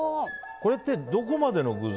これって、どこまでの具材？